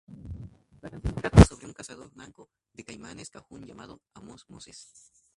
La canción trata sobre un cazador manco de caimanes cajún llamado Amos Moses.